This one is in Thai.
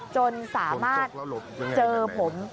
จนสามารถเจอผม